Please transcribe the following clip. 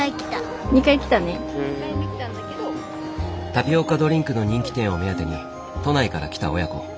タピオカドリンクの人気店を目当てに都内から来た親子。